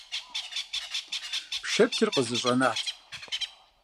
Пшэплъыр къызэщӀэнат.